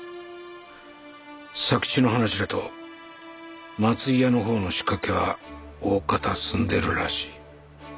佐吉の話だと松井屋の方の仕掛けはおおかた済んでるらしい。